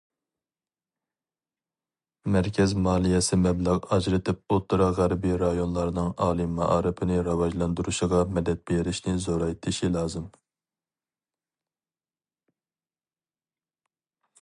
مەركەز مالىيەسى مەبلەغ ئاجرىتىپ ئوتتۇرا، غەربىي رايونلارنىڭ ئالىي مائارىپىنى راۋاجلاندۇرۇشىغا مەدەت بېرىشنى زورايتىشى لازىم.